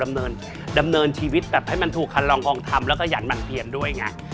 ดำเนินดำเนินชีวิตแบบให้มันถูกคันลองกองธรรมแล้วก็หยันหมั่นเพียนด้วยไง